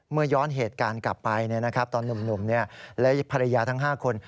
ย้อนเหตุการณ์กลับไปตอนหนุ่มและภรรยาทั้ง๕คน